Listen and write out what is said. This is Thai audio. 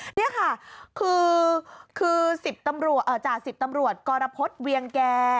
นี่ค่ะคือจ่าสิบตำรวจกรพฤษเวียงแก่